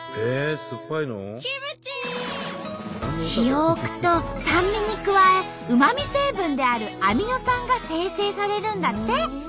日を置くと酸味に加えうま味成分であるアミノ酸が生成されるんだって。